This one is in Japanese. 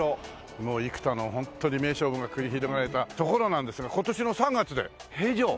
もう幾多のホントに名勝負が繰り広げられた所なんですが今年の３月で閉場。